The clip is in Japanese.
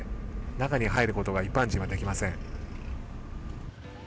中に入ることが一般人はできません。